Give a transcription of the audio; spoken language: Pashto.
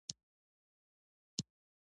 کلي د افغانستان د طبیعت یوه برخه ده.